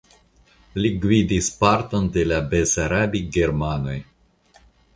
Li gvidis parton de la besarabigermanoj.